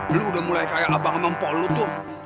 lo udah mulai kayak abang ngempok lo tuh